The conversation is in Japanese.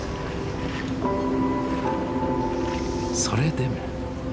それでも。